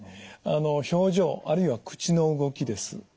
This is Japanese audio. あの表情あるいは口の動きです。